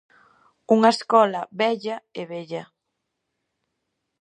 Unha escola vella e Bella.